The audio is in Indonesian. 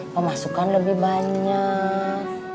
pemasukan lebih banyak